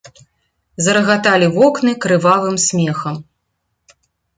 Зарагаталі вокны крывавым смехам.